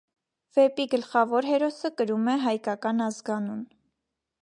Վեպի գլխավոր հերոսը կրում է հայկական ազգանուն։